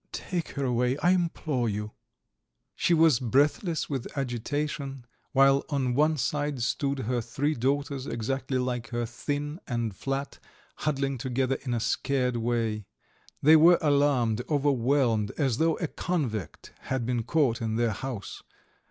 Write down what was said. Take her away, I implore you. ..." She was breathless with agitation, while on one side stood her three daughters, exactly like her, thin and flat, huddling together in a scared way. They were alarmed, overwhelmed, as though a convict had been caught in their house.